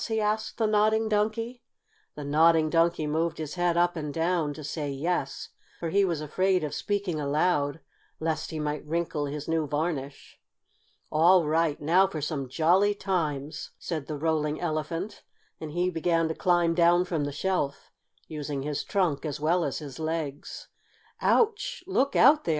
he asked the Nodding Donkey. The Nodding Donkey moved his head up and down to say "yes," for he was afraid of speaking aloud, lest he might wrinkle his new varnish. "All right, now for some jolly times!" said the Rolling Elephant, and he began to climb down from the shelf, using his trunk as well as his legs. "Ouch! Look out there!